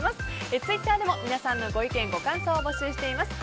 ツイッターでも皆さんのご意見、ご感想を募集しています。